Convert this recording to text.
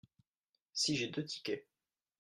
Si j’ai deux tickets.